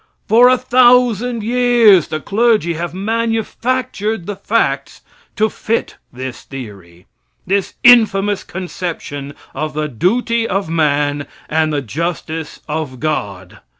For a thousand years the clergy have manufactured the facts to fit this theory this infamous conception of the duty of man and the justice of God.